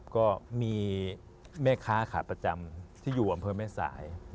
ก็มีแม่ค้าขาดประจำที่อยู่บริเวณบริเวณแม่สาย